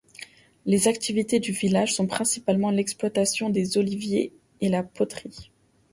Les activités du village sont principalement l'exploitation des oliviers et la poterie.